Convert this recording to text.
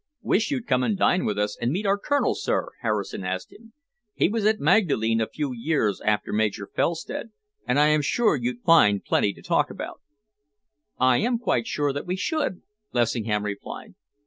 "Wish you'd come and dine with us and meet our colonel, sir," Harrison asked him. "He was at Magdalen a few years after Major Felstead, and I am sure you'd find plenty to talk about." "I am quite sure that we should," Lessingham replied.